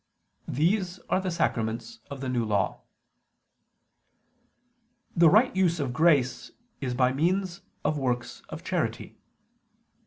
These are the sacraments of the New Law. The right use of grace is by means of works of charity.